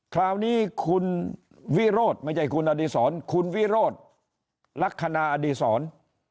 คราวนี้คุณวิโรธไม่ใช่คุณอดีศรคุณวิโรธลักษณะอดีศร